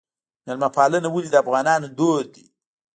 میلمه پالنه ولې د افغانانو دود دی؟